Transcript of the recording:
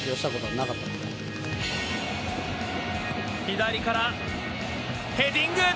左からヘディング！